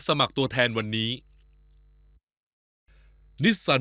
สามารถรับชมได้ทุกวัย